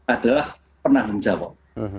adalah penanggung jawab